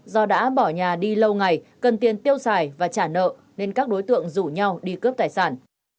do đã bỏ nhà đi lâu ngày cần tiền tiêu xài và trả nợ nên các đối tượng rủ nhau đi cướp tài sản